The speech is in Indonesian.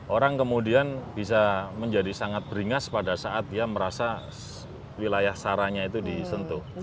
orang kemudian bisa menjadi sangat beringas pada saat dia merasa wilayah saranya itu disentuh